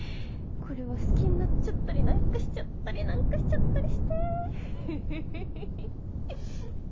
これは好きになっちゃったりなんかしちゃったりなんかしちゃったりしてフフフフ。